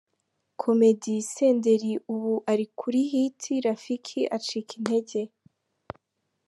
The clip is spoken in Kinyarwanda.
Comedy Senderi ubu ari kuri hit ,Rafiki acika intege.